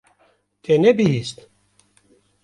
Te nebihîst?